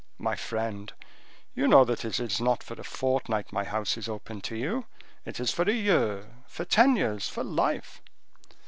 "My friend, you know that it is not for a fortnight my house is open to you; it is for a year—for ten years—for life."